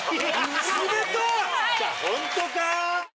ホントか？